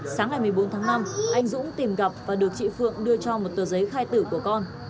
sáng ngày một mươi bốn tháng năm anh dũng tìm gặp và được chị phượng đưa cho một tờ giấy khai tử của con